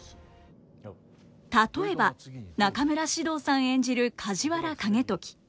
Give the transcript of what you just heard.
例えば中村獅童さん演じる梶原景時。